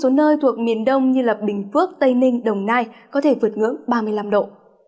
một số nơi thuộc miền đông như bình phước tây ninh đồng nai có thể vượt ngưỡng ba mươi năm độ